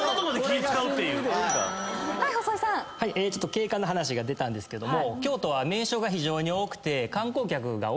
景観の話が出たんですけど京都は。